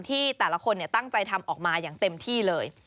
ที่แต่ละคนตั้งใจทำออกมาอย่างเต็มที่เลย